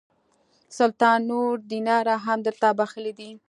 سلطان نور دیناره هم درته بخښلي دي.